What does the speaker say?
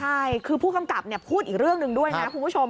ใช่คือผู้กำกับพูดอีกเรื่องหนึ่งด้วยนะคุณผู้ชม